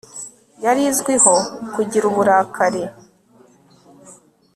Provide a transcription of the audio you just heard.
yari izwiho kugira uburakari